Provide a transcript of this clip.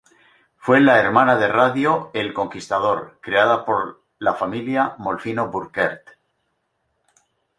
Fue la hermana de radio El Conquistador; creada por la familia Molfino-Bürkert.